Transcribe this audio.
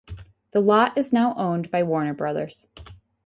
The lot is now owned by Warner Brothers.